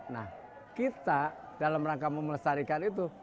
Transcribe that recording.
nah kita dalam rangka memelestarikan itu